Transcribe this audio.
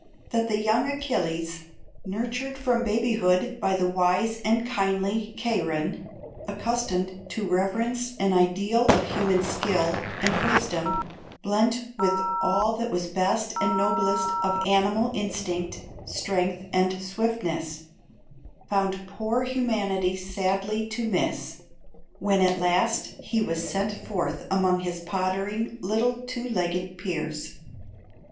that the young Achilles, nurtured from babyhood by the wise and kindly Cheiron, accustomed to reverence an ideal of human skill and wisdom blent with all that was best and noblest of animal instinct, strength and swiftness, found poor humanity sadly to miss, when at last the was sent forth among his pottering little two legged peers.